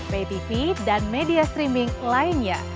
patv dan media streaming lainnya